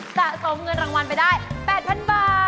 สะสมเงินรางวัลไปได้๘๐๐๐บาท